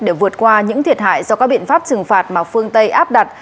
để vượt qua những thiệt hại do các biện pháp trừng phạt mà phương tây áp đặt